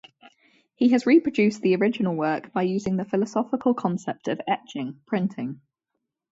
He has reproduced the original work by using the philosophical concept of etching (printing).